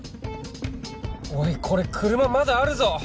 おいこれ車まだあるぞ！